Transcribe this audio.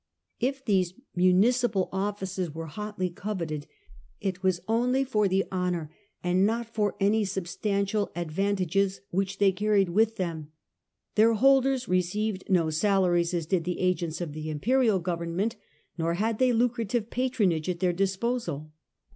If these municipal offices were hotly coveted it was only for the honour and not for any substantial advantages which they carried with them. Their holders guch offices received no salaries, as did the agents of the were burden .. 11,1 • .some rather imperial government, nor had they lucrative than lucra patronage at their disposal.